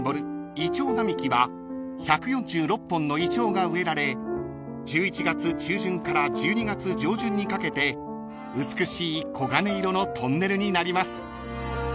いちょう並木は１４６本のいちょうが植えられ１１月中旬から１２月上旬にかけて美しい黄金色のトンネルになります］